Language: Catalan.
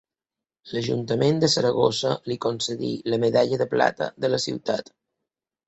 L'Ajuntament de Saragossa li concedí la medalla de plata de la ciutat.